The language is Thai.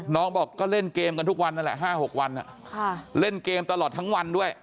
น้องบอกก็เล่นเกมกันทุกวันนั่นแหละ๕๖วันเล่นเกมตลอดทั้งวันด้วย